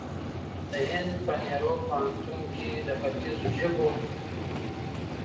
د هند په نهرو پوهنتون کې د خیتځو ژبو